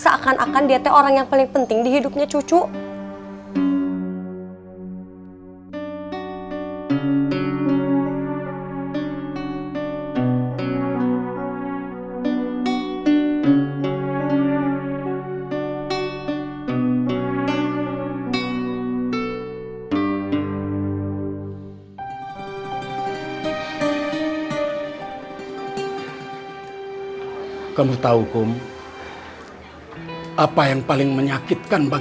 seakan akan dia teh orang yang paling penting di hidupnya teh ya kan